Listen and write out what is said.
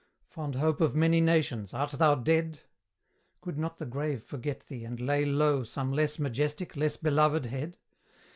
Fond hope of many nations, art thou dead? Could not the grave forget thee, and lay low Some less majestic, less beloved head?